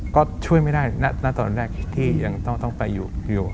ก็ช่วยไม่ได้ณตอนแรกที่ยังต้องไปอยู่